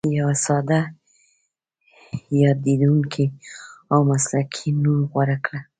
یو ساده، یادېدونکی او مسلکي نوم غوره کړه.